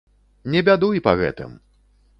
Не бядуй па гэтым!